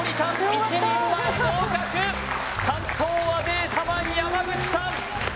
１人前合格担当はデータマン山口さん